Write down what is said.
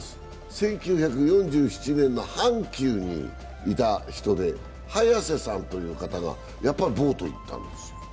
１９４７年に早瀬さんという方がやっぱりボートに行ったんですよ。